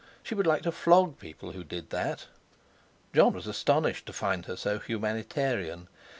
She would like to flog people who did that. Jon was astonished to find her so humanitarian.